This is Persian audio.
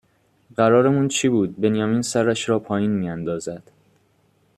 قرارمون چی بود بنیامین سرش را پایین می اندازد